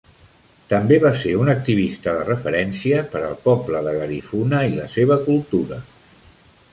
També va ser un activista de referència per al poble de Garifuna i la seva cultura.